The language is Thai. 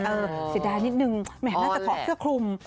เสียดายนิดนึงแหมน่าจะถอดเสื้อคลุม